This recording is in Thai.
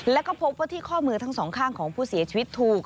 แล้วก็พบว่าที่ข้อมือทั้งสองข้างของผู้เสียชีวิตถูก